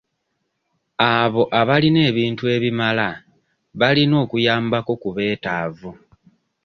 Abo abalina ebintu ebimala balina okuyambako ku betaavu.